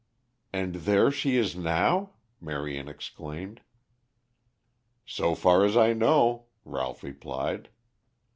"And there she is now?" Marion exclaimed. "So far as I know," Ralph replied.